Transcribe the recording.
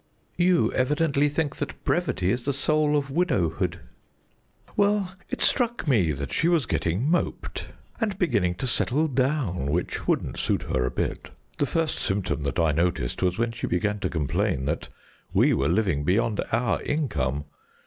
"You evidently think that brevity is the soul of widowhood." "Well, it struck me that she was getting moped, and beginning to settle down, which wouldn't suit her a bit. The first symptom that I noticed was when she began to complain that we were living beyond our income.